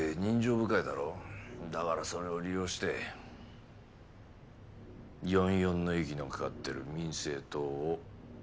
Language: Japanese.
だからそれを利用して４４の息のかかってる民生党を勝たせるんだ。